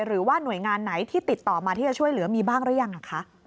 หรือว่าหน่วยงานไหนที่ติดต่อมาที่จะช่วยเหลือมีบ้างหรือยังคะ